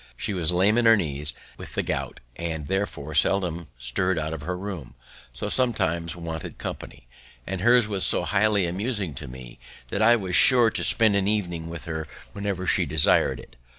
She was lame in her knees with the gout, and, therefore, seldom stirred out of her room, so sometimes wanted company; and hers was so highly amusing to me, that I was sure to spend an evening with her whenever she desired it.